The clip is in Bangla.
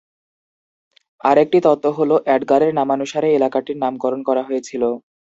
আরেকটি তত্ত্ব হল এডগারের নামানুসারে এলাকাটির নামকরণ করা হয়েছিল।